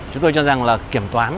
chúng tôi cho rằng kiểm toán